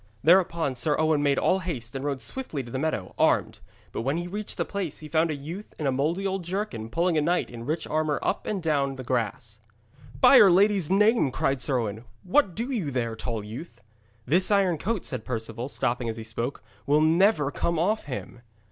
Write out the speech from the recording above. Thereupon Sir Owen made all haste, and rode swiftly to the meadow, armed; but when he reached the place, he found a youth in a mouldy old jerkin pulling a knight in rich armour up and down the grass. 'By'r Lady's name!' cried Sir Owen, 'what do you there, tall youth?' 'This iron coat,' said Perceval, stopping as he spoke, 'will never come off him.'